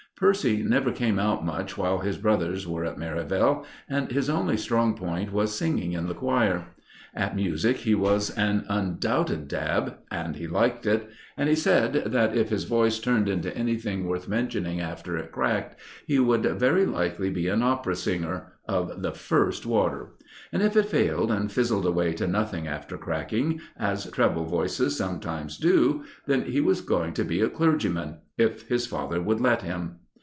Percy never came out much while his brothers were at Merivale, and his only strong point was singing in the choir. At music he was an undoubted dab, and he liked it, and he said that, if his voice turned into anything worth mentioning after it cracked, he should very likely be an opera singer of the first water. And if it failed and fizzled away to nothing after cracking, as treble voices sometimes do, then he was going to be a clergyman if his father would let him.